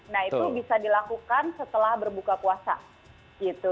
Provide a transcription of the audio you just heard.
nah itu bisa dilakukan setelah berbuka puasa gitu